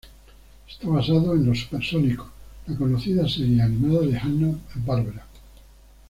Está basado en "Los Supersónicos", la conocida serie animada de Hanna-Barbera.